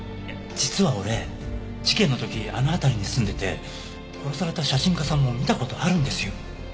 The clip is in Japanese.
実は俺事件の時あの辺りに住んでて殺された写真家さんも見た事あるんですよ。